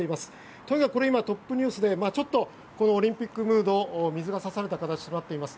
とにかくこれが今トップニュースでオリンピックムードに水が差された形となっています。